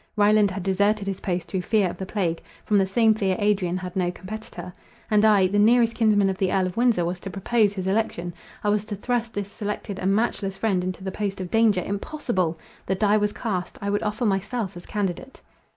Ryland had deserted his post through fear of the plague: from the same fear Adrian had no competitor. And I, the nearest kinsman of the Earl of Windsor, was to propose his election. I was to thrust this selected and matchless friend into the post of danger— impossible! the die was cast—I would offer myself as candidate.